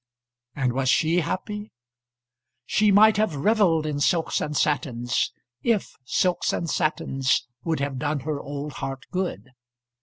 And was she happy? She might have revelled in silks and satins, if silks and satins would have done her old heart good.